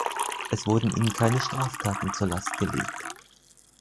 Es wurden ihnen keine Straftaten zur Last gelegt.